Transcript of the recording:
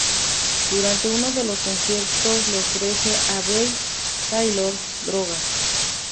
Durante uno de sus conciertos le ofrece a Belle Taylor drogas.